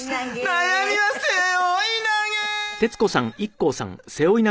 悩みは背負い投げ！